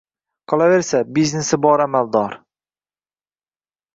Qolaversa, biznesi bor amaldor